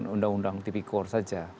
undang undang tipikor saja